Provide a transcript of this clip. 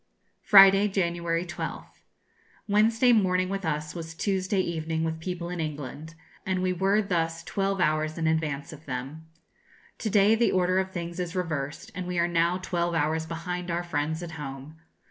Friday, January 12th. Wednesday morning with us was Tuesday evening with people in England, and we were thus twelve hours in advance of them. To day the order of things is reversed, and we are now twelve hours behind our friends at home.